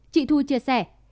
chị thu chia sẻ